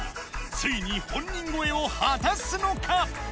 ついに本人超えを果たすのか？